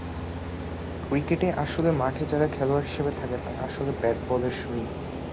ক্রিকেটে আসলে মাঠে যারা খেলোয়াড় হিসেবে থাকে, তারা আসলে ব্যাট-বলের সৈনিক।